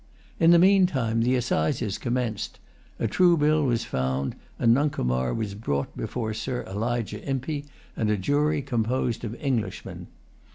In the meantime the assizes commenced; a true bill was found; and Nuncomar was brought before Sir Elijah Impey and a jury composed of Englishmen.